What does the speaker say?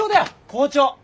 校長！